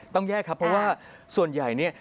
ต้องแยกครับเพราะว่าส่วนใหญ่เนี่ย